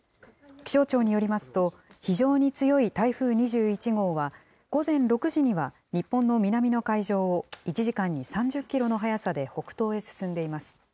気象庁によりますと、非常に強い台風２１号は、午前６時には日本の南の海上を１時間に３０キロの速さで北東へ進んでいます。